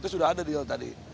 sudah ada deal tadi